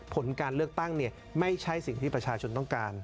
ผลการเลือกตั้งไม่ใช่สิ่งที่ประชาชนต้องการ